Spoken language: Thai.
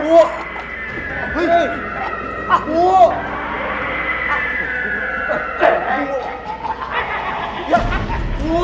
โอ๊ะ